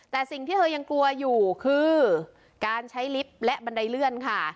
แต่สิ่งที่เธอยังกลัวอยู่คือการใช้ลิฟต์และบันไดเลื่อนค่ะ